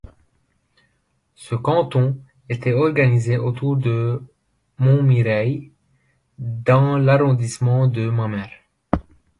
Ce canton était organisé autour de Montmirail dans l'arrondissement de Mamers.